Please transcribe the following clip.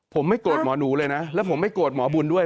ผมไม่โกรธหมอหนูเลยนะแล้วผมไม่โกรธหมอบุญด้วย